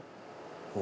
お。